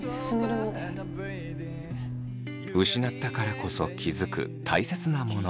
失ったからこそ気付くたいせつなもの。